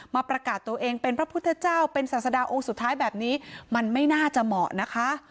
มาประกาศตัวเองเป็นพระพุทธเจ้าเป็นศาสดาองค์สุดท้ายแบบนี้มันไม่น่าจะเหมาะนะคะ